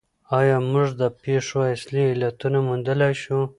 آیا موږ د پېښو اصلي علتونه موندلای شو؟